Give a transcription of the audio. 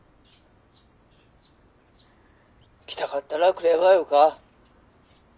☎来たかったら来ればよか。